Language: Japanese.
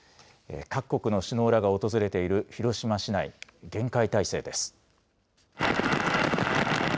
各国の首脳らが訪れている広島市内、厳戒態勢です。